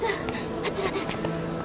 あちらです